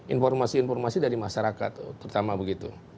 informasi informasi dari masyarakat terutama begitu